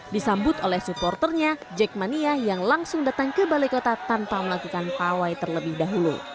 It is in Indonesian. disambut oleh supporternya jackmania yang langsung datang ke balai kota tanpa melakukan pawai terlebih dahulu